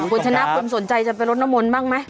คุณชนะคุณสนใจจะไปลดน้ำมนต์บ้างไหม